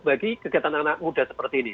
bagi kegiatan anak muda seperti ini